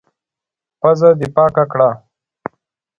پزه دي پاکه کړه!